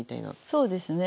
そうですね。